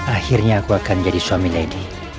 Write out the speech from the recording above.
akhirnya aku akan jadi suami lagi